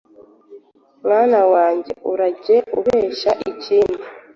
Mwana wanjye urajye ubeshya ikindi,